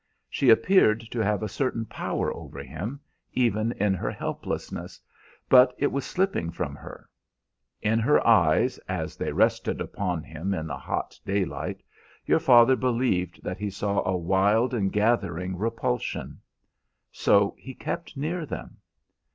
She appeared to have a certain power over him, even in her helplessness, but it was slipping from her. In her eyes, as they rested upon him in the hot daylight, your father believed that he saw a wild and gathering repulsion. So he kept near them.